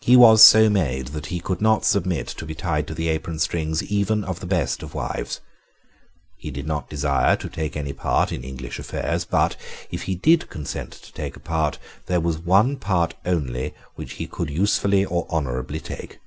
He was so made that he could not submit to be tied to the apron strings even of the best of wives. He did not desire to take any part in English affairs; but, if he did consent to take a part, there was one part only which he could usefully or honourably take.